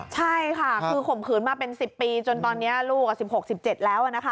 ใช่ค่ะคือข่มขืนมาเป็น๑๐ปีจนตอนนี้ลูก๑๖๑๗แล้วนะคะ